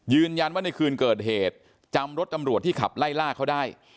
ยืนยันว่าในคืนเกิดเหตุจำรถตำรวจที่ขับไล่ล่าเขาได้